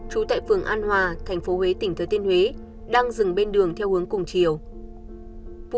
chú tại phường an hòa thành phố huế tỉnh thừa thiên huế đang dừng bên đường theo hướng cùng triều